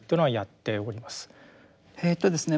えとですね